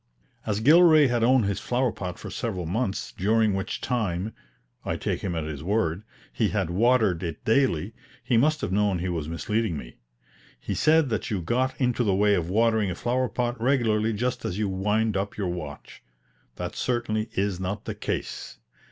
As Gilray had owned his flower pot for several months, during which time (I take him at his word) he had watered it daily, he must have known he was misleading me. He said that you got into the way of watering a flower pot regularly just as you wind up your watch. That certainly is not the case.